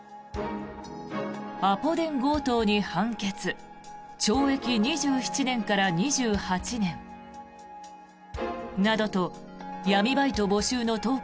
「アポ電強盗に判決懲役２７２８年」などと闇バイト募集の投稿